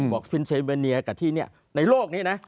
ฟินเซเวเนียกับที่นี่ในโลกนี้นะ